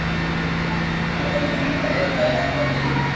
آوي ھي ھين پڙوا جائين ھين پڙئي